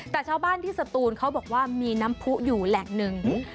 แต่ชาวบ้านที่สตูนเขาบอกว่ามีน้ำผู้อยู่แหล่งหนึ่ง